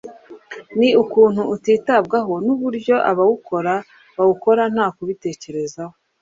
ni ukuntu utitabwaho n’uburyo n’abawukora bawukora nta kubitekerezaho.